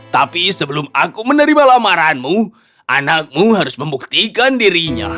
tapi sebelum aku menerima lamaranmu anakmu harus membuktikan dirinya